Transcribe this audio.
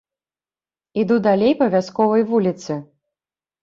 Іду далей па вясковай вуліцы.